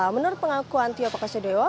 menurut pengakuan tio pakusadewa